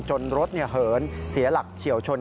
รถเหินเสียหลักเฉียวชน